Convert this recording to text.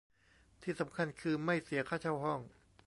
ที่สำคัญคือ ไม่เสียค่าเช่าห้อง